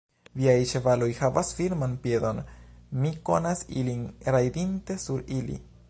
Viaj ĉevaloj havas firman piedon; mi konas ilin, rajdinte sur ili.